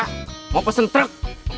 aku mau pesan truk